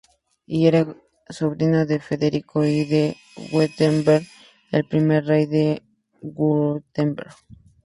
Y era sobrino de Federico I de Wurtemberg, el primer rey de Württemberg.